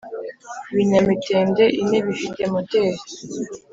Ibinyamitende ine bifite moteri